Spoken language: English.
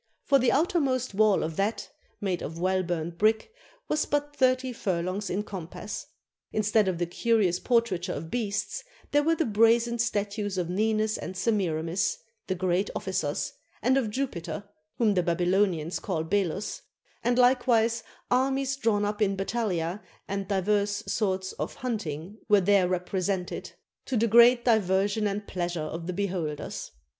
For the outer most wall of that (made of well burnt brick) was but thirty furlongs in compass. Instead of the curious por traiture of beasts, there were the brazen statues of Ninus and Semiramis, the great ofi&cers, and of Jupiter, whom the Babylonians call Belus; and likewise armies drawn up in battalia, and divers sorts of hunting were there represented, to the great diversion and pleasure of the beholders.